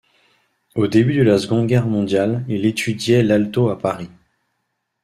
Au début de la Seconde Guerre mondiale, il étudiait l'alto à Paris.